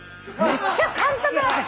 めっちゃ簡単だな私。